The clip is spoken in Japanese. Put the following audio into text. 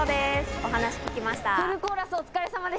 お話を聞きました。